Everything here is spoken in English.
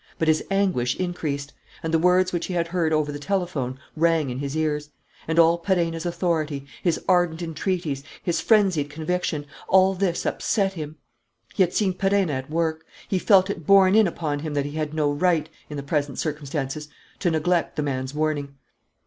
But his anguish increased; and the words which he had heard over the telephone rang in his ears; and all Perenna's authority, his ardent entreaties, his frenzied conviction all this upset him. He had seen Perenna at work. He felt it borne in upon him that he had no right, in the present circumstances, to neglect the man's warning.